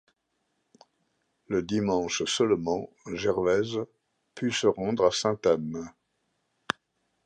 Le dimanche seulement, Gervaise put se rendre à Sainte-Anne.